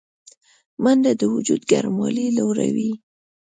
منډه د وجود ګرموالی لوړوي